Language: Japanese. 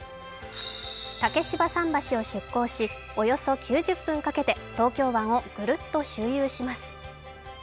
竹芝桟橋を出港し、およそ９０分かけて東京湾をぐるっと周遊します。